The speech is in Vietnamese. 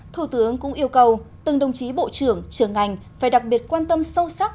thủ tướng cũng yêu cầu từng đồng chí bộ trưởng trưởng ngành phải đặc biệt quan tâm sâu sắc